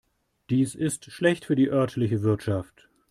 Dies ist schlecht für die örtliche Wirtschaft.